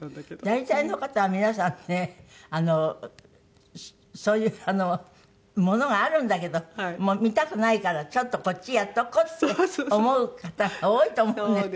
大体の方は皆さんねそういうあの物があるんだけどもう見たくないからちょっとこっちへやっとこうって思う方が多いと思うんですよね。